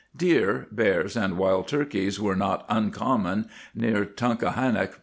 ^ Deer, bears, and wild turkeys were not uncom mon near Tunkhannock, Penn.